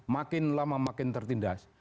makin lama makin tertindas